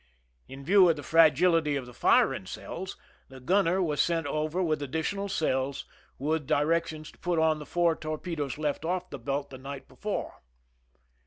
In view of the fragility of the firing cells, the gunner was sent over with additional cells, with directions to put on the four torpedoes left off the belt the night before.